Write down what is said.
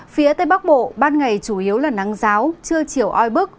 phía tây bắc bộ ban ngày chủ yếu là nắng giáo trưa chiều oi bức